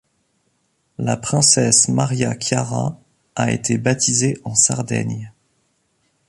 La Princesse Maria Chiara a été baptisée en Sardaigne.